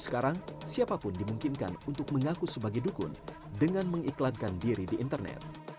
tapi sekarang siapa pun diemukinkan untuk mengaku sebagai dukun dengan mengiklankan diri internet